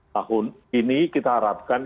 tahun ini kita harapkan